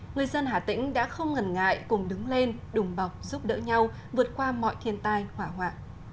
người dân hà tĩnh đã không ngần ngại cùng đứng lên đùm bọc giúp đỡ nhau vượt qua mọi thiên tai hỏa hoạn